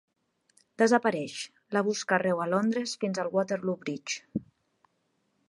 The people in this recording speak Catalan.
Desapareix, la busca arreu a Londres fins al Waterloo bridge.